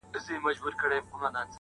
دومره پوه نه سوم ښځه که نر یې-